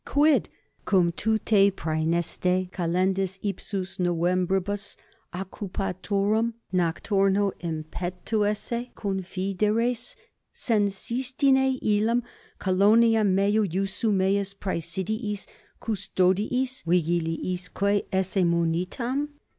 Quid? cum tu te Praeneste Kalendis 8 ipsis Novembribus occupaturum nocturno impetu esse confideres, sensistine illam coloniam meo iussu meis praesidiis, custodiis vigiliisque esse munitam?